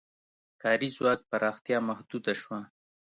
کاري ځواک پراختیا محدوده شوه.